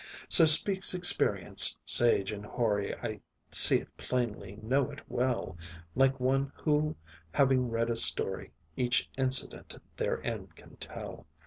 So speaks experience, sage and hoary; I see it plainly, know it well, Like one who, having read a story, Each incident therein can tell.